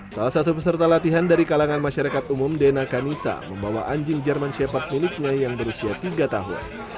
salah satu peserta latihan dari kalangan masyarakat umum dena kanisa membawa anjing german shepherd miliknya yang berusia tiga tahun